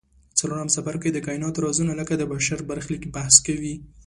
څلورم څپرکی د کایناتو رازونه لکه د بشر برخلیک بحث کوي.